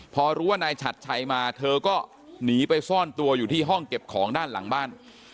พอรู้ว่านายฉัดชัยมาเธอก็หนีไปซ่อนตัวอยู่ที่ห้องเก็บของด้านหลังบ้าน